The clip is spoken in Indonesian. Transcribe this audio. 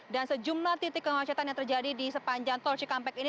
dan sejumlah titik kewacetan yang terjadi di sepanjang tol cikampek ini